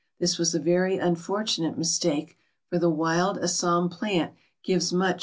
This was a very unfortunate mistake, for the wild Assam plant gives much better results.